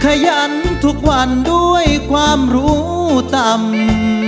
ขยันทุกวันด้วยความรู้ต่ำ